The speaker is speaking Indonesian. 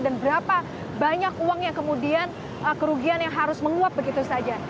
dan berapa banyak uang yang kemudian kerugian yang harus menguap begitu saja